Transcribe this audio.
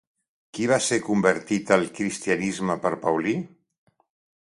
Qui va ser convertit al cristianisme per Paulí?